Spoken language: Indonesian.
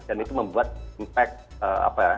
dan itu membuat impact apa ya